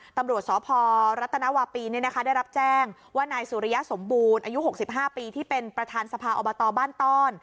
ตำรวจสอพรัตนวปีนี่นะคะได้รับแจ้งว่านายสุริยะสมบูรณ์อายุหกสิบห้าปีที่เป็นประธานสภาอบตบ้านต้อน